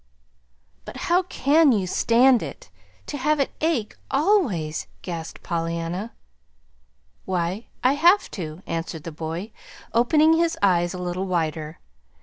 "But how can you stand it to have it ache always?" gasped Pollyanna. "Why, I have to," answered the boy, opening his eyes a little wider.